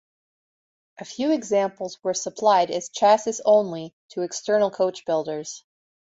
A few examples were supplied as chassis-only to external coachbuilders.